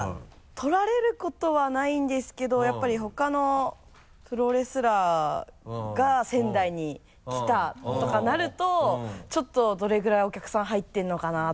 取られることはないんですけどやっぱりほかのプロレスラーが仙台に来たとかなるとちょっと「どれぐらいお客さん入ってるのかな？」とかって。